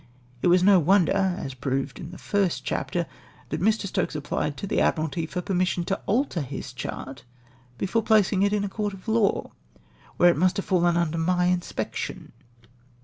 It was no wonder, as proved in the first chapter, that Mr. Stokes applied to the Admiralty for permission to alter his chart before producing it in a court of law, where it must have fallen under my inspection